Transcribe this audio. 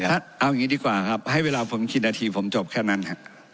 เอาอย่างนี้ดีกว่าครับให้เวลาผมกี่นาทีผมจบแค่นั้น